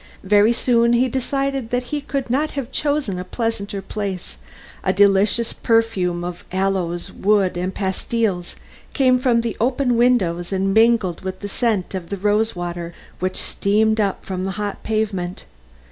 Very soon he decided that he could not have chosen a pleasanter place; a delicious perfume of aloes wood and pastilles came from the open windows and mingled with the scent of the rose water which steamed up from the hot pavement.